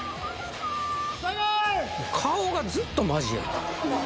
顔がずっとマジやな。